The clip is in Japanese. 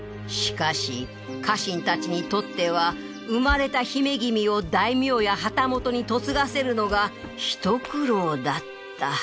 しかし家臣たちにとっては生まれた姫君を大名や旗本に嫁がせるのがひと苦労だった